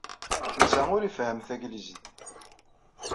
Netta ur ifehhem tanglizit.